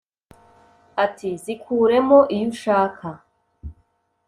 Ati: Zikure mo iyo ushaka